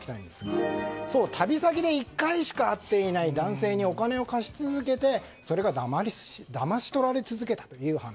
旅先で１回しか会っていない男性に、お金を貸し続けてそれがだまし取られ続けるという話。